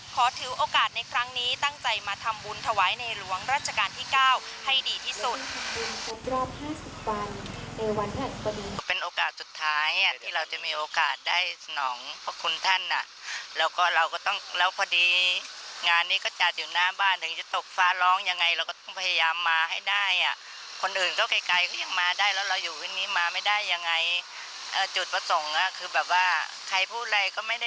ขอถือโอกาสในครั้งนี้ตั้งใจมาทำบุญถวายในหลวงรัชกาลที่๙ให้ดีที่สุด